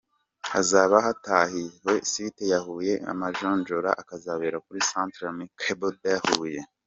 hazaba hatahiwe site ya Huye amajonjora akazabera kur centre amicable de Huye.